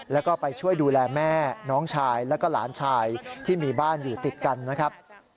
แล้วก็ไปช่วยดูแลแม่น้องชายแล้วก็หลานชายที่มีบ้านอยู่ติดกันนะครับ